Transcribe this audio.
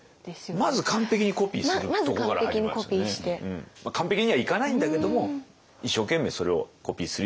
まあ完璧にはいかないんだけども一生懸命それをコピーするように。